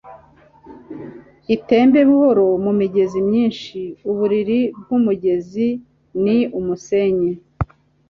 itemba buhoro mumigezi myinshi. uburiri bw'umugezi ni umusenyi